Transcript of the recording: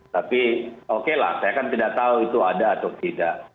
tapi oke lah saya kan tidak tahu itu ada atau tidak